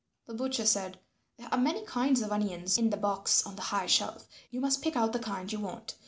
The butcher said, "There are many kinds of onions in the box on the high shelf. You must pick out the kind you want.